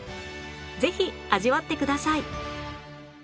ぜひ味わってください！